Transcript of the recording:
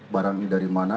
barang ini dari mana